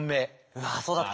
うわあそうだった。